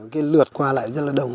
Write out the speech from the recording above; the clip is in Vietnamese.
cái lượt qua lại rất là đông